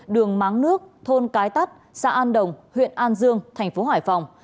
đường máng nước thôn cái tắt xã an đồng huyện an dương thành phố hải phòng